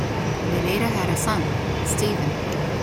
They later had a son, Steven.